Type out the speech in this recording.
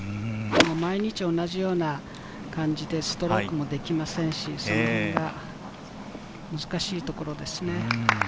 毎日同じような感じでストロークもできませんし、そのへんが難しいところですね。